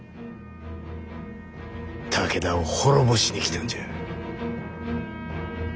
武田を滅ぼしに来たんじゃ。